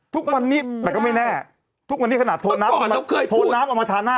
ทุกวันนี้แบบก็ไม่แน่ทุกวันนี้ขนาดโทรนับโทรนับเอามาทาหน้า